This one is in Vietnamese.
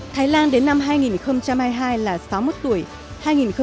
thái lan đến năm hai nghìn hai mươi hai là sáu mươi một tuổi